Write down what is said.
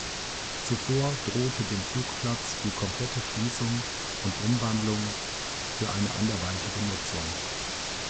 Zuvor drohte dem Flugplatz die komplette Schließung und Umwandlung für eine anderweitige Nutzung.